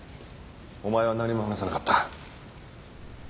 お前は何も話さなかった。